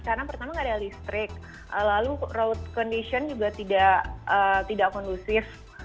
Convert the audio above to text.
karena pertama nggak ada listrik lalu road condition juga tidak kondusif